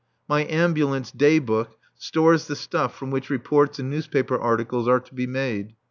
My ambulance Day Book stores the stuff from which reports and newspaper articles are to be made.